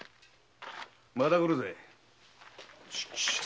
また来るぜ。